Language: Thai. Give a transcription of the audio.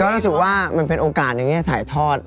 รู้สึกว่ามันเป็นโอกาสในแง่ถ่ายทอด